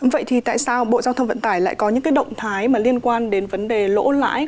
vậy thì tại sao bộ giao thông vận tải lại có những cái động thái mà liên quan đến vấn đề lỗ lãi